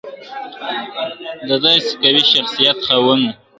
د داسي قوي شخصیت خاوند وو !.